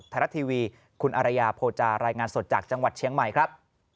ไทยรัฐทีวีคุณอารยาโภจารายงานสดจากจังหวัดเชียงใหม่ครับ